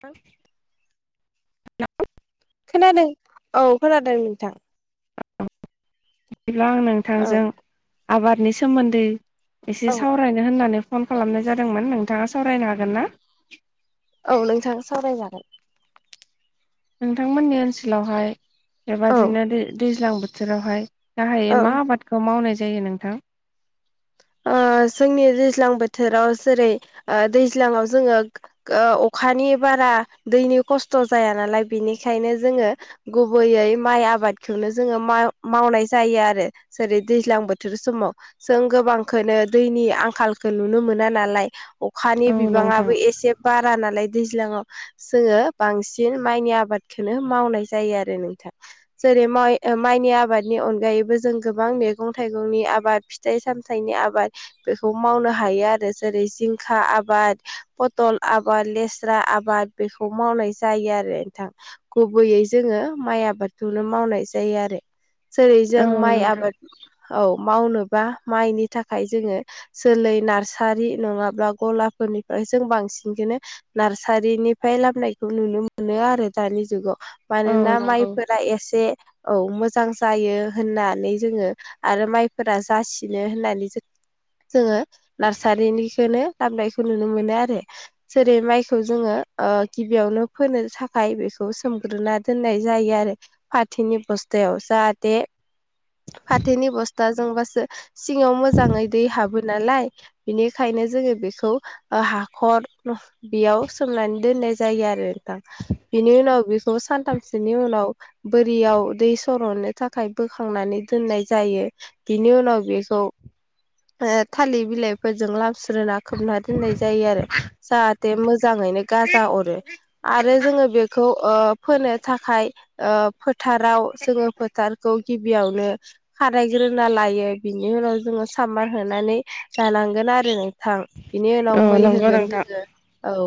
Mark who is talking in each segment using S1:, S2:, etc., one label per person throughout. S1: ह खोनादों औ खोनादों नोंथां
S2: बिब्ला आं
S1: औ
S2: नोंथांजों आबादनि सोमोन्दै एसे
S1: औ
S2: सावरायनो होननानै फन खालामनाय जादोंमोन नोंथाङा सावरायनो हागोन ना
S1: औ नोंथाङा सावरायजागोन
S2: नोंथांमोननि ओनसोलावहाय
S1: औ
S2: बेबादिनो दैज्लां बोथोरावहाय गाहायै
S1: औ
S2: मा आबादखौ मावनाय जायो नोंथां
S1: जोंनि दैज्लां बोथोराव जेरै दैज्लांआव जोङो अखा अखानि बारा दैनि खस्थ' जाया नालाय बेनिखायनो जोङो गुबैयै माइ आबाद आबादखौनो जोङो मावनाय जायो आरो जेरै दैज्लां बोथोर समाव जों गोबां खौनो दैनि आंखालखौ नुनो मोना नालाय
S2: औ
S1: अखानि
S2: नोंथां
S1: बिबाङाबबो एसे बारा नालाय दैज्लांआव जोङो बांसिन माइनि आबादखौनो मावनाय जायो आरो नोंथां ज जेरै माइनि आबादनि अनगायैबो जों गोबां मैगं थाइगंनि आबाद फिथाइ सामथाइ फिथाइनि आबाद बेखौ मावनो हायो आरो जेरै जिंखा आबाद पथल आबाद लेस्रा आबाद बेखौ मावनाय जायो आरो नोंथां गुबैयै जोङो माइ आबाद नुनो मावनाय जायो आरो जेरै
S2: औ
S1: जों माइ
S2: नोंथां
S1: आबाद औ मावनोबा माइनि थाखाय जोङो जोलै नार्सारि नङाब्ला गलाफोरनिफ्राय जों बांसिन बिदिनो नार्सारिनिफ्राय लामनायखौ नुनो मोनो आरो दानि जुगाव
S2: औ
S1: मानोना
S2: नंगौ
S1: माइफोरा एसे औ मोजां जायो होननानै जोङो आरो माइफोरा जासिनो होननानै ज जोङो नार्सारिनिखौ लाबोनायखौ नुनो मोनो आरो जेरै माइखौ जोङो गिबियावनो फोनो थाखाय बेखौ सोमग्रोना दोननाय जायो आरो फाथोनि बस बस्थायाव जाहाथे फाथोनि बस्थाजोंबासो सिङाव मोजाङै दै हाबो नालाय बिनिखायनो जोङो बेखौ हाखर बेयाव सोमनानै दोननाय जायो आरो नोंथां बिनि उनाव बेखौ सानथामसोनि उनाव बोरियाव दै सरननो थाखाय बोखांनानै दोननाय जायो बिनि उनाव बे खौ ओ थालिर बिलाइफोरजों लामस्रोनोना खोबना दोननाय जायो आरो जाहाथे मोजाङैनो गाजा अरो आरो जोङो बे खौ ओ फोनो थाखाय ओ फोथाराव जोङो फोथारखौ गिबियावनो खारायग्रोना लायो बिनि उनाव जोङो सामबार होनानै जानांगोन आरो न थां बेनि
S2: औ
S1: उनाव मै
S2: नंगौ
S1: होगोन
S2: नोंथां
S1: जोङो औ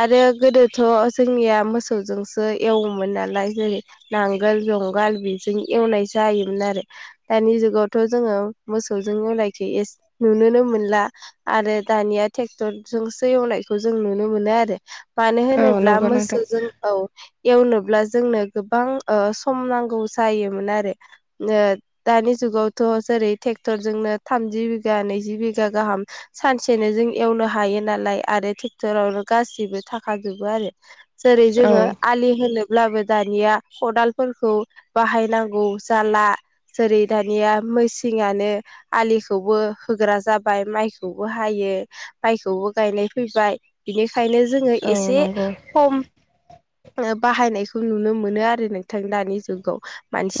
S1: आरो गोदोथ जोंनिया मोसौजोंसो एवोमोन नालाय जेरै नांगोल जुंगाल बेजों एवनाय जायोमोन आरो दानि जुगावथ जोङो मोसौजों एवलायखो एसे नुनोनो मोनला आरो दानिया ट्रेक्टर जोंसो एवलायख जों नुनो मोनो आरो मानो
S2: औ
S1: होनोब्ला
S2: नंगौ नोंथां
S1: मोसौजों एवनो जोंनो गोबां ओ सम नांगौ जायोमोन आरो दानि जुगावथ बा जेरै ट्रेक्टर जोंनो थामजि बिगा नैजि बिघा गाहाम सानसेनो जों एवनो हायो नालाय आरो ट्रेक्टरावनो गासिबो थाखाजोबो आरो जेरै
S2: औ
S1: जोङो आलि होनो ब्लाबो दानिया खदालफोरखौ बाहायनांगौ जाला जेरै दानिया सिंयानो आलिखौबो होग्रा जाबाय माइखौबो हायो माइखौबो गायनाय फैबाय बि ओंखायनो जोङो
S2: औ
S1: एसे
S2: नंगौ
S1: खम बाहायनायखौ नुनो मोनो आरो नों थां दानि जुगाव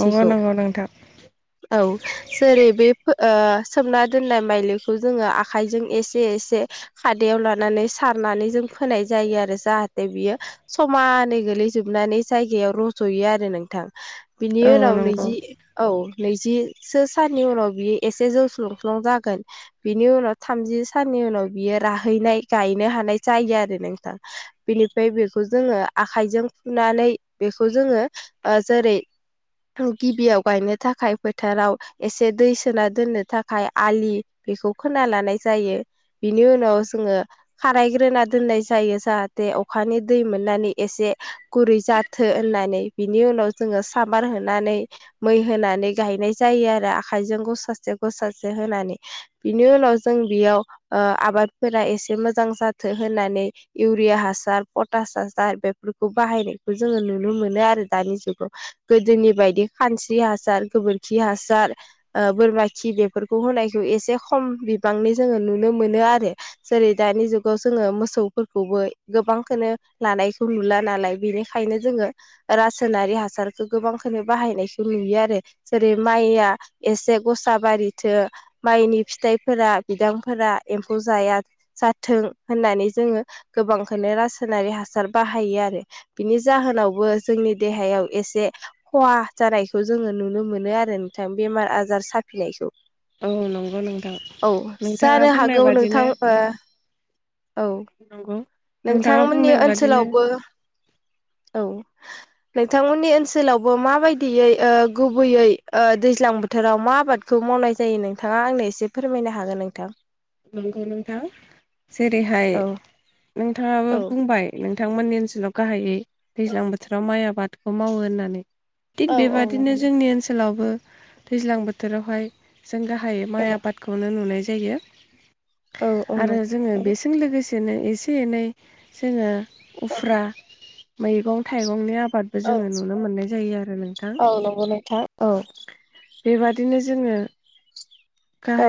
S2: नंगौ नंगौ नोंथां
S1: औ जेरै बे ओ सोमना दोननाय माइलिखौ जोङो आखाइजों एसे एसे खादाआव लानानै नानै सारनानै जों फोनाय जायो आरो जाहेथे बियो समानै गोलैजोबनानै जाय रज'यो आरो नोंथां बिनि
S2: औ
S1: उनाव
S2: नंगौ
S1: नैजि औ नैजिसो साननि उनाव बियो एसे जौस्लुं लं जागोन बिनि उनाव थामजि साननि उनाव बियो राहै गायनो हानाय जायो आरो नोंथां बिनिफ्राय बेखौ जोङो आखायजों फुनानै बेखौ जोङो जेरै गिबियाव गायनो थाखाय फोथाराव एसे दै सोना दोननो थाखाय आलि बेखौ खोना लानाय जायो बिनि उनाव खारायग्रोना दोननाय जायो जाहाथे अखानि दै मोननानै एसे गुरै जा फाथो होननानै बिनि उनाव जोङो सामार होनानै मै होनानै गायनाय जायो आरो आखजों गसासे गसासे होनानै बिनि उनाव जों बेयाव आबादारिफोरा एसे मोजां जाथों होननानै इउरिया हासार पटास हासार बेफोरखौ बाहायनायखौ जों जोङो नुनो मोनो आरो दानि जुगाव गोदोनि बायदि खानस्रि हासार गोबोरखि हासार बोरमा खि बेफोरखौ होनायखौ एसे खम बिबांनि जोङो नुनो मोनो आरो जेरै दानि जुगाव जोङो मोसौफोरखौबो गोबांखौनो लानायखौ नुला नालाय बेनिखायनो जोङो रासायनारि हासारखौ गोबांखौनो बाहायनायखौ नुयो आरो जेरै माइया एसे गस बारिथो माइनि फिथाइफोरा बिदांफोरा एम्फौ जाया जाथों होननानै जोङो गोबांखौनो रासायनारि हासार बाहायो आरो बिनि जाहोनाव जोंनि देहायाव एसे खहा जानायखौ जोङो नुनो मोनो आरो नों आजार साफिनायखौ
S2: औ नंगौ नोंथां
S1: औ
S2: नोंथाङा
S1: जानो
S2: बुंनाय
S1: हागौ नोंथां
S2: बादिनो
S1: ओ औ
S2: नंगौ नोंथाङा
S1: नोंथांमोननि
S2: बुंनाय बादिनो
S1: ओनसोलावबो औ नोंथांमोननि ओनसोलावबो माबायदियै ओ गुबैयै दैज्लां बोथोराव मा आबाद खौ मावनाय जायो नोंथाङा आंनो एसे फोरमायनो हागोन नोंथां
S2: नंगौ नोंथां जेरैहाय
S1: औ
S2: नोंथाङाबो
S1: औ
S2: बुंबाय नोंथांमोननि ओनसोलाव गाहायै दैज्लां बोथोराव माइ आबादखौ मावो होननानै। थिग
S1: औ नंगौ
S2: बेबादिनो
S1: नोंथां
S2: जोंनि ओनसोलावबो दैज्लां बोथोरावहाय जों गाहाय
S1: औ
S2: माइ आबादखौनो नुनाय जायो
S1: औ
S2: आरो
S1: नंगौ
S2: जोङो बेजों लोगोसे बिदिनो एसे एनै जोङो उफ्रा मैगं थाइगंनि आबाद आबादबो
S1: औ
S2: जोङो नुनो मोननाय जायो आरो नोंथां।
S1: औ नंगौ नोंथां औ
S2: बेबादिनो जोङो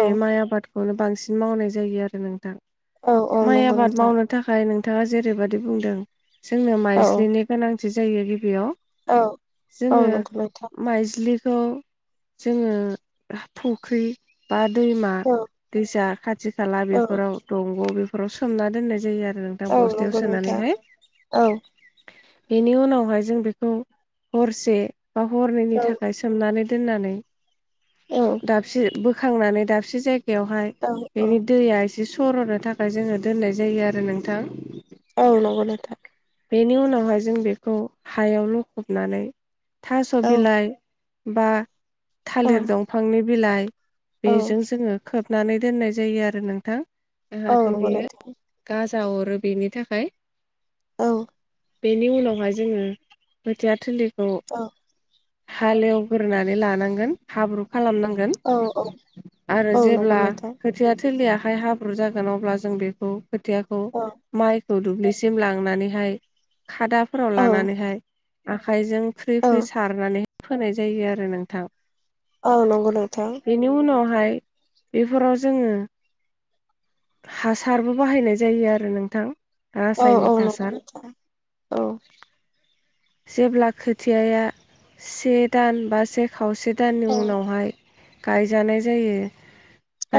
S1: औ औ
S2: माइ आबादखौनो बांसिन बि मावनाय जायो आरो नोंथां माइ
S1: नंगौ
S2: आबाद
S1: नोंथां औ
S2: मावनो थाखाय नों थाङा जेरैबायदि बुंदों जोंनो माइज्लिनि गोनांथि जायो गिबियाव।
S1: औ
S2: जोङो
S1: नंगौ नोंथां
S2: माइज्लि थ जोङो फुख्रि बा दैमा
S1: औ
S2: दैसा खाथि खाला
S1: औ
S2: बेफोराव दंग' बेफोराव सोमना दोननाय जायो आरो। नोंथां
S1: औ
S2: बस्थायाव
S1: नंगौ नोंथां
S2: सोनानैहाय
S1: औ
S2: बेनि उनावहाय जों बेखौ हरसे बा हरनैनि थाखाय सोमनानै दोननानै
S1: औ
S2: दाबसे बोखांनानै दाबसे जायगायावहाय बेनि
S1: औ
S2: दैया एसे सर'नो थाखाय जोङो दोननाय जायो आरो नोंथां।
S1: औ नंगौ नोंथां
S2: बेनि उनावहाय जों बेखौ हायाव लखबनानै थास'
S1: औ
S2: बिलाइ बा
S1: औ
S2: थालिर दंफांनि बिलाइ बेजों जोङो खोबो। नानै दोननाय जायो आरो नोंथां।
S1: औ
S2: जाहाथे
S1: नंगौ
S2: बियो
S1: नोंथां
S2: गाजा जा हरो बेनि थाखाय
S1: औ
S2: बेनि उनावहाय जोङो खोथिया थिलिखौ
S1: औ
S2: हालेवगोरोनानै लानांगोन हाब्रु खालामनांगोन
S1: औ
S2: आरो
S1: औ नंगौ
S2: जेब्ला
S1: नोंथां
S2: खोथिया सोलियाहाय हाब्रु जागोन अब्ला जों बेखौ खोथियाखौ
S1: औ
S2: माइखौ दुब्लिसिम ला नानैहाय खादाफोराव
S1: औ
S2: लानानैहाय आखाइजों फ्रि
S1: औ
S2: फ्रि सारनानै फोनाय जायो आरो नोंथां।
S1: औ नंगौ नोंथां।
S2: बेनि उनावहाय बेफोराव जोङो हासारबो बाहायनाय जायो आरो नोंथां। आ
S1: औ औ
S2: रायसायनिखा हासार जेब्ला खोथियाया से दान बा से खावसे दाननि उनावहाय गायजानाय जायो।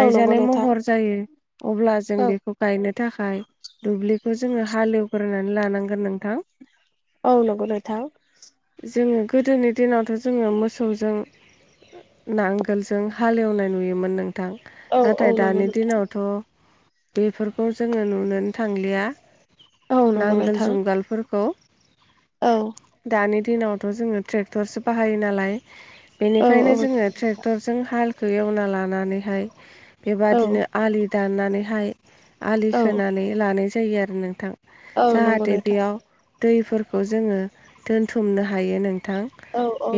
S1: औ नंगौ नोंथां
S2: महर जायो अब्ला जों बेखौ गायनो थाखाय दुब्लिखौ जोङो हालेवग्रोनानै लानांगोन नोंथां।
S1: औ नंगौ नोंथां
S2: जोङो गोदोनि दिनावथ' जोङो मोसौजों नांगोलजों हालेवनाय नुयोमोन नों नोंथां
S1: औ
S2: नाथाय
S1: नंगौ
S2: दानि
S1: नोंथां
S2: दिनावथ' बेफोरखौ जोङो नोनो थांलिया।
S1: औ नंगौ
S2: नांगोल
S1: नोंथां
S2: जुंगालफोरखौ
S1: औ
S2: दानि दिनावथ' जोङो ट्रेक्टरसो बाहायो नालाय
S1: औ
S2: बेनिखायनो जोङो ट्रेक्टरजों हाल एवना लानानैहाय बेबादिनो आलि दाननानैहाय आलि खोनानै लानाय जायो आरो नोंथां।
S1: औ नंगौ नोंथां औ नंगौ
S2: जाहाथे
S1: नोंथां
S2: बेयाव दैफोरखौ जोङो दोनथुमनो हायो नोंथां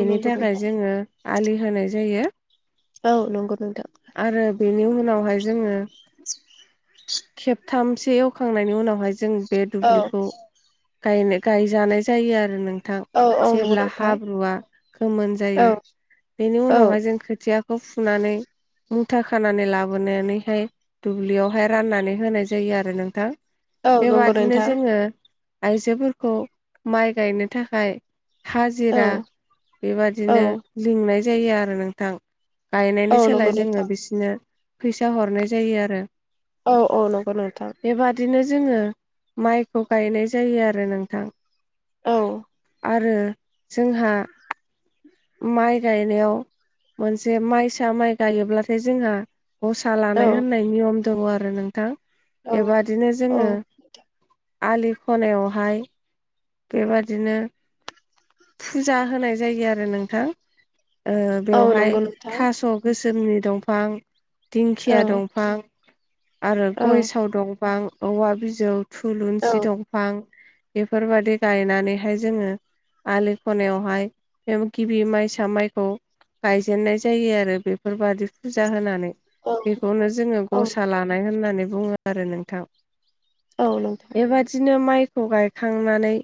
S1: औ नंगौ
S2: थाखाय
S1: नोंथां औ
S2: जोङो आलि होनाय जायो
S1: नंगौ नोंथां
S2: आरो बेनि उनावहाय जोङो खेबथामस एवखांनायनि उनावहाय जों बे
S1: औ
S2: दुब्लिखौ गाय गायजानाय जायो आरो नों जेब्ला हाब्रुआ गोमोन
S1: औ
S2: जायो
S1: नंगौ
S2: बेनि उनावहाय
S1: नोंथां औ
S2: जों खोथिया खौ फुनानै मुथा खानानै लाबोनानैहाय दुब्लियावहाय राननानै होनाय जायो आरो नोंथां
S1: औ नंगौ
S2: बिदिनो
S1: नोंथां
S2: जोङो आइजोफोरखौ माइ गायनो थाखाय
S1: औ
S2: हाजिरा बेबादिनो
S1: औ
S2: लिंनाय जायो आरो नोंथां
S1: औ
S2: गायनायनि
S1: नंगौ
S2: सोलाय जोङो
S1: नोंथां
S2: बिसोरनो फैसा हरनाय जायो आरो
S1: औ औ नंगौ नोंथां
S2: बेबादिनो जोङो माइखौ गायनाय जायो आरो नोंथां
S1: औ
S2: आरो जोंहा माइ गायनायाव मोनसे माइसा माइ गायोब्लाथाय जोंहा दसा
S1: औ
S2: लानाय होननाय नियम दङ आरो नोंथां
S1: औ
S2: बेबादिनो
S1: औ
S2: जोङो आलि खनायावहाय बेबादिनो फुजा होनाय जायो आरो नोंथां
S1: औ नंगौ
S2: बेवहाय
S1: नोंथां
S2: थास' गोसोमनि दंफां
S1: औ
S2: दिंखिया दंफां आरो
S1: औ
S2: गयसाव दंफां औवा बिजौ
S1: औ
S2: थुलुंसि दंफां बेफोरबायदि दै गायनानैहाय जोङो आलि खनायावहाय बे गिबि माइसा माइखौ गायजेननाय जायो आरो बेफोरबादि फुजा होनानै
S1: औ
S2: बेखौनो जोङो
S1: औ
S2: गसा लानाय होननानै बुङो आरो नोंथां
S1: औ नोंथां
S2: बेबादिनो माइखौ गायखांनानै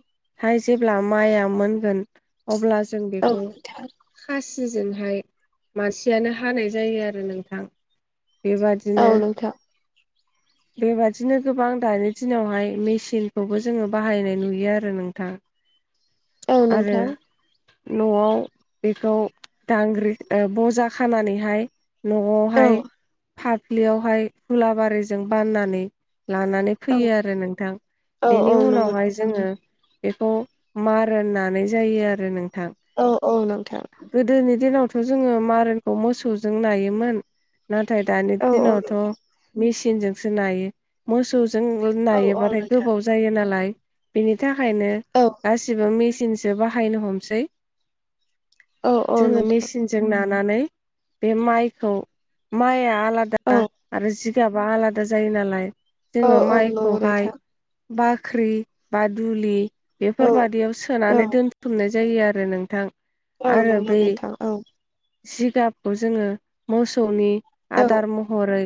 S2: हाय जेब्ला माइआ मोनगोन अब्ला जों
S1: औ
S2: बेखौ
S1: नोंथां
S2: सिजोंहाय मानसियानो हानाय जायो आरो नोंथां
S1: औ
S2: बेबादिनो
S1: नोंथां
S2: बेबादिनो गोबां दानि दिनावहाय मेसिनखौबो जोङो बाहायनाय नुयो आरो नोंथां
S1: औ
S2: आरो
S1: नोंथां
S2: न'आव बेखौ दांग्रि बजा खानानैहाय
S1: औ
S2: न'आवहाय फाफ्लियावहाय फुलाबारिजों बाननानै लानानै
S1: औ
S2: फैयो आरो नोंथां
S1: औ औ
S2: बेनि
S1: नंगौ
S2: उनावहाय
S1: नोंथां
S2: जोङो बेखौ मारनानै जायो आरो नों
S1: औ औ नोथां
S2: दिनावथ' जोङो मारेनखौ मोसौजों नायोमोन नाथाय दानि
S1: औ
S2: दिनावथ' मेसिनजोंसो नायो मोसौ जों
S1: औ
S2: नायोबाथाय
S1: नोंथां
S2: गोबाव जायो नालाय
S1: औ
S2: गासैबो मेसिनजों जो बाहायनो हमसै
S1: औ
S2: जोङो
S1: नोंथां
S2: मेसिनजों नानानै बे माइखौ माइआ
S1: औ
S2: आलादा आरो जि फयाबा आलादा जायो नालाय
S1: औ
S2: जोङो
S1: औ नोंथां औ नंगौ
S2: माइखौहाय
S1: नोंथां
S2: बाख्रि बा दुलि
S1: औ
S2: बेफोरबादियाव
S1: औ
S2: सोनानै दोनथुमनाय जायो आरो नोंथां
S1: औ
S2: आरो
S1: नंगौ
S2: बै
S1: नोथां औ
S2: जिगाबखौ जोङो मोसौनि
S1: औ
S2: आदार महरै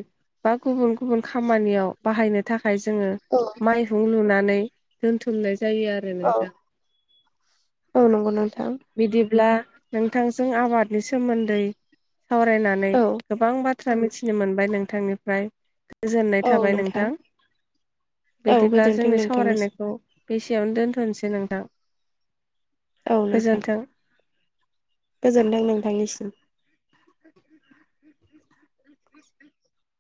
S2: बा गुबुन गुबुन खामानियाव बाहायनो थाखाय जोङो
S1: औ
S2: मायहुं लुनानै द बुथुमनाय जायो आरो
S1: औ
S2: नोंथां
S1: औ नंगौ नोंथां
S2: बिदिब्ला नोंथांजों आबादनि सोमोन्दै सावरायनानै
S1: औ
S2: गोबां बाथ्रा मिथिनो मोनबाय नोंथांनिफ्राय गोजोननाय थाबाय नोंथां
S1: औ
S2: बिदिब्ला
S1: गोजोन्थों
S2: जोंनि
S1: नोंथांनिसिम
S2: सावरायनायखौ बेसेयावनो दोन्थ'नोसै नोंथां
S1: औ नोंथां
S2: गोजोन्थों
S1: गोजोनदों नोंथांनिसिम
S2: [inaudible]